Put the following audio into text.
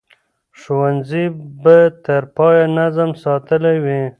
ښوونځي به تر پایه نظم ساتلی وي.